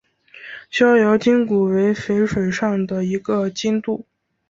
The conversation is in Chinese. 逍遥津古为淝水上的一个津渡。